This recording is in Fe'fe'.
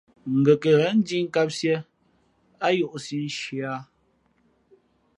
Ngα̌ kάghen ndǐh kāmsiē á yǒhsī nshi ā.